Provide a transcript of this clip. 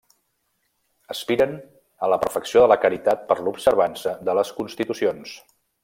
Aspiren a la perfecció de la caritat per l'observança de les constitucions.